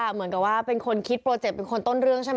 เหมือนคิดว่าเป็นคนต้นเรื่องใช่ไหม